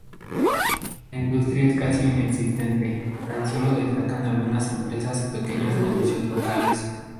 La industria es casi inexistente, tan solo destacan algunas empresas y pequeños negocios locales.